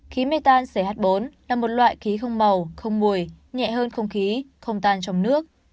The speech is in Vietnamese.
khí mê tan ch bốn là một loại khí không màu không mùi nhẹ hơn không khí không tan trong nước